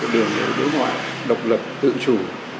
điều đối ngoại độc lập tự chủ